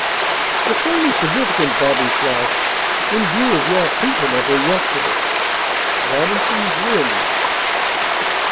"It's only significant," Bobby flashed, "in view of your treatment of her yesterday." Robinson grinned.